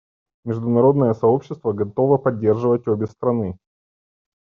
Международное сообщество готово поддерживать обе страны.